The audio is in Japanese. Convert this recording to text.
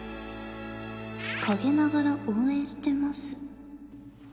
「陰ながら応援してます」